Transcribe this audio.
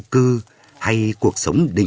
cho đến khi đuôi trâu thành công